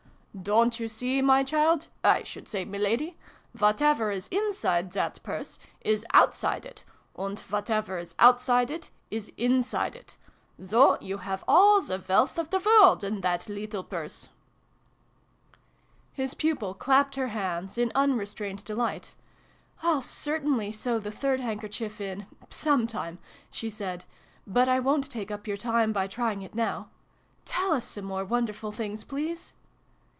" Don't you see, my child I should say M iladi ? Whatever is inside that Purse, is outside it ; and whatever is O2tt side it, is inside it. So you have all the wealth of the world in that leetle Purse !" His pupil clapped her hands, in unrestrained delight. " I'll certainly sew the third hand kerchief in some time," she said: "but I wo'n't take up your time by trying it now. Tell us some more wonderful things, please